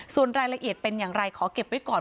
ส่วนรายละเอียดเป็นอย่างไรขอเก็บไว้ก่อน